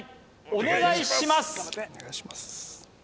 お願いします